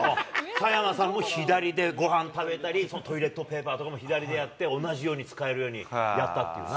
さやまさんも左でごはん食べたり、トイレットペーパーとかも左でやって、同じように使えるように、やったっていうな。